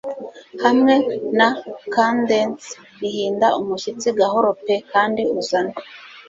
Hamwe na cadence ihinda umushyitsi gahoro pe kandi uzane